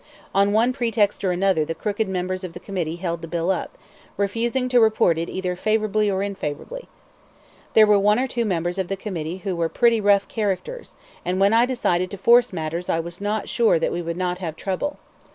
On one pretext or another the crooked members of the committee held the bill up, refusing to report it either favorably or unfavorably. There were one or two members of the committee who were pretty rough characters, and when I decided to force matters I was not sure that we would not have trouble.